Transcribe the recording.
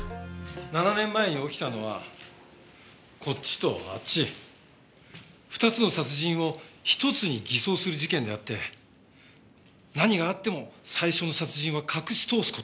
７年前に起きたのはこっちとあっち２つの殺人を１つに偽装する事件であって何があっても最初の殺人は隠し通す事。